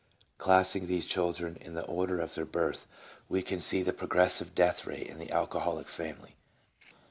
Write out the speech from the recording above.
Classing these children in the order of their birth, we can see the progressive death rate in the alcoholic family.